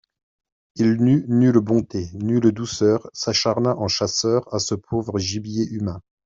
Il n'eut nulle bonté, nulle douceur, s'acharna en chasseur à ce pauvre gibier humain.